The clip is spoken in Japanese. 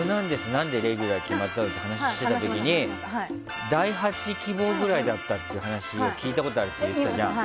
何でレギュラー決まったかの話した時に第８希望くらいだったっていう話を聞いたことがあるってしてたじゃん。